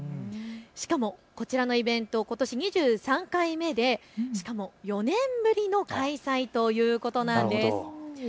しかも、こちらのイベント、ことし２３回目で４年ぶりの開催ということなんです。